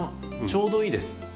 ちょうどいいです。